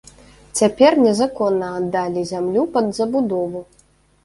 Цяпер незаконна аддалі зямлю пад забудову.